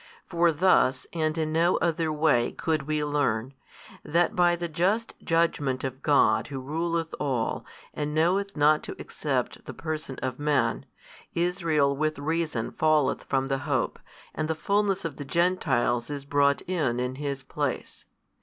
For thus and in no other way could we learn, that by the just judgment of God Who ruleth all and knoweth not to accept the person of man, Israel with reason falleth from the hope, and the fulness of the Gentiles is brought in in his place.